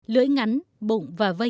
lưỡi ngắn bụng và vây